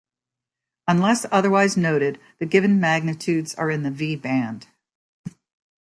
Unless otherwise noted, the given magnitudes are in the V-band.